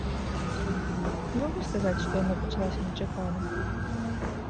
Не магу сказаць, што яна пачалася нечакана.